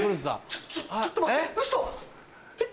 ちょっと待って！